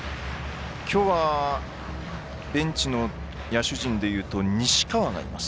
きょうはベンチの野手陣で言うと西川がいます。